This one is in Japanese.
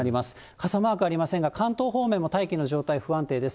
傘マークありませんが、関東方面も大気の状態不安定です。